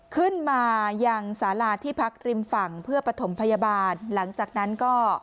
ขึ้นมายังสาราที่พักริมฝั่งเพื่อปฐมพยาบาลหลังจากนั้นก็